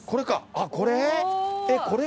あっこれ？